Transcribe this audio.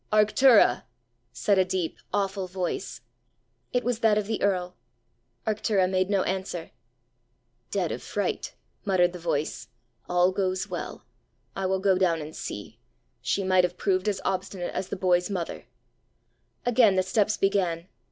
"Arctura," said a deep, awful voice. It was that of the earl. Arctura made no answer. "Dead of fright!" muttered the voice. "All goes well. I will go down and see. She might have proved as obstinate as the boys' mother!" Again the steps began.